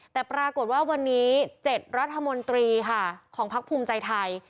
แต่ปรากฏว่าวันนี้๗รัฐมนตรีค่ะของพักภูมิใจไทย